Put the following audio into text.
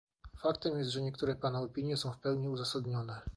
Faktem jest, że niektóre pana opinie są w pełni uzasadnione